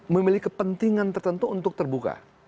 memiliki kepentingan tertentu untuk terbuka